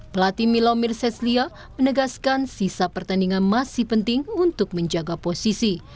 pelatih milomir seslia menegaskan sisa pertandingan masih penting untuk menjaga posisi